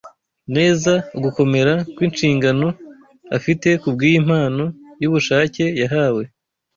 neza ugukomera kw’inshingano afite kubw’iyi mpano y’ubushake yahawe